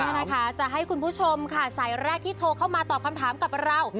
นี่นะคะจะให้คุณผู้ชมค่ะสายแรกที่โทรเข้ามาตอบคำถามกับเรา